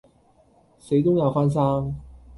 死都拗返生